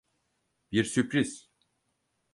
Bir sürpriz.